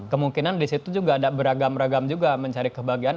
kemungkinan di situ juga ada beragam ragam juga mencari kebahagiaan